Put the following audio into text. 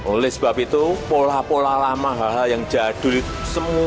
oleh sebab itu pola pola lama hal hal yang jadul itu semua